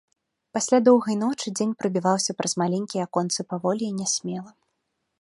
Пасля доўгай ночы дзень прабіваўся праз маленькія аконцы паволі і нясмела.